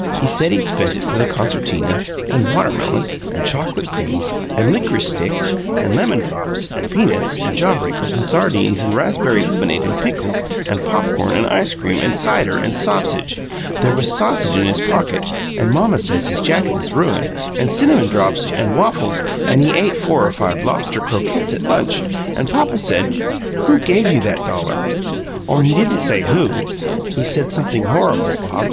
He said he'd spent it for the concertina, and watermelon, and chocolate creams, and licorice sticks, and lemon drops, and peanuts, and jaw breakers, and sardines, and raspberry lemonade, and pickles, and popcorn, and ice cream, and cider, and sausage there was sausage in his pocket, and mamma says his jacket is ruined and cinnamon drops and waffles and he ate four or five lobster croquettes at lunch and papa said, 'Who gave you that dollar?' Only he didn't say 'WHO' he said something horrible, Bob!